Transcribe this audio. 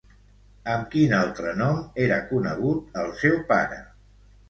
Amb quin altre nom era conegut, el seu pare?